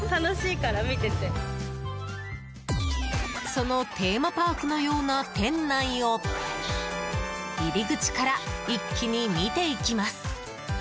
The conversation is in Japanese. そのテーマパークのような店内を入り口から一気に見ていきます。